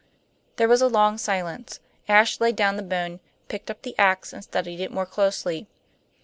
There was a long silence. Ashe laid down the bone, picked up the ax and studied it more closely.